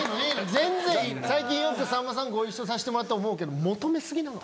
全然いい最近よくさんまさんご一緒さしてもらって思うけど求め過ぎなの。